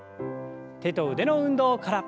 手と腕の運動から。